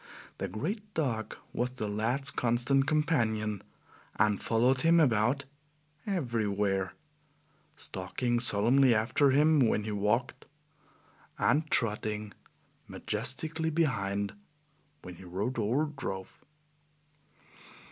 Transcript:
The great dog was the lad's constant companion, and followed him about everywhere, stalking solemnly after him when he walked, and trotting majestically behind when he rode or drove.